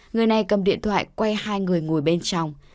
người này cầm điện thoại quay hai người ngồi bên trong